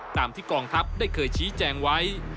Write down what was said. ตามที่กองทัพได้เคยชี้แจงไว้